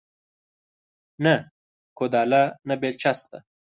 نه کوداله نه بيلچه شته